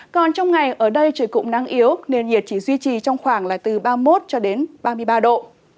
còn trong ngày ở đây trời cũng nắng yếu nền nhiệt chỉ duy trì trong khoảng là từ ba mươi một cho đến ba mươi ba độ